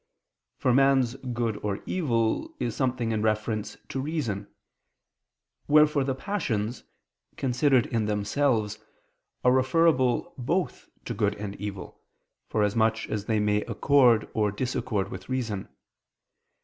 For man's good or evil is something in reference to reason: wherefore the passions, considered in themselves, are referable both to good and evil, for as much as they may accord or disaccord with reason.